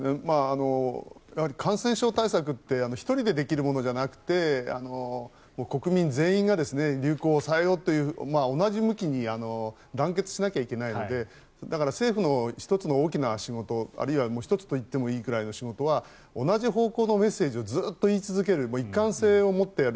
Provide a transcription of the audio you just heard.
やはり感染症対策って１人でできるものではなくて国民全員が流行を抑えようという同じ向きに団結しなきゃいけないので政府の１つの大きな仕事あるいは１つといってもいいくらいの仕事は同じ方向のメッセージをずっと言い続ける一貫性を持ってやる。